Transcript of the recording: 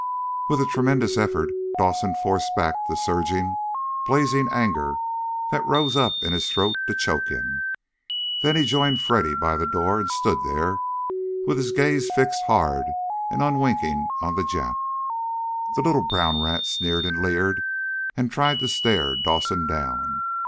With a tremendous effort Dawson forced back the surging, blazing anger that rose up in his throat to choke him. Then he joined Freddy by the door and stood there with his gaze fixed hard and unwinking on the Jap. The little brown rat sneered and leered, and tried to stare Dawson down.